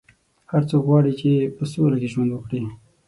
هر څوک غواړي چې په سوله کې ژوند وکړي.